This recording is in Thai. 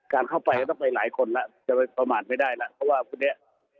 การเข้าไปก็ต้องไปหลายคนละจะประมาณไม่ได้ละเพราะว่าพวกนี้